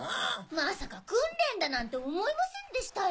まさか訓練だなんて思いませんでしたよ。